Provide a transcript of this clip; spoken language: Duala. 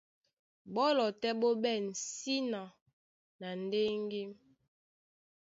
Ɓɔ́lɔ tɛ́ ɓó ɓɛ̂n síná na ndéŋgé.